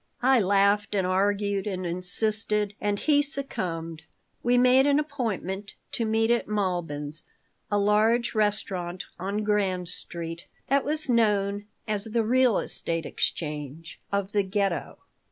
I laughed and argued and insisted, and he succumbed. We made an appointment to meet at Malbin's, a large restaurant on Grand Street that was known as the "Real Estate Exchange" of the Ghetto.